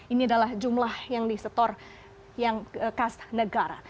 ini adalah jumlah yang disetor yang khas negara